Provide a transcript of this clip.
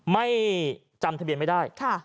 ไม่จำทะเบียนไม่ได้